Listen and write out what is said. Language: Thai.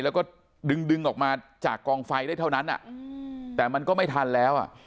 แล้วก็ดึงดึงออกมาจากกองไฟได้เท่านั้นแต่มันก็ไม่ทันแล้วอ่ะ